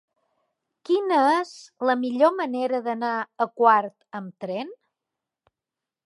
Quina és la millor manera d'anar a Quart amb tren?